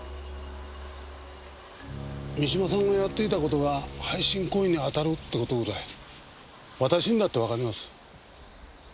三島さんがやっていたことが背信行為に当たるってことぐらい私にだってわかります。